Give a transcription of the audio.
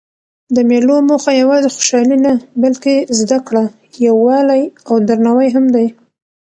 د مېلو موخه یوازي خوشحالي نه؛ بلکې زدکړه، یووالی او درناوی هم دئ.